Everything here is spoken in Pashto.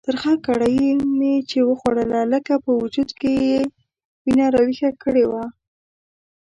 ترخه کړایي چې مې وخوړله لکه په وجود کې یې وینه راویښه کړې وه.